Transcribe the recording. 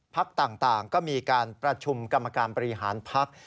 พักต่างก็มีการประชุมกรรมการบริหารพัก